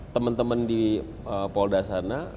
teman teman di polda sana